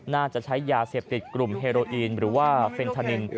น่าจะใช้ยาเสพติดกลุ่มเฮโรอีนหรือว่าเฟนทานิน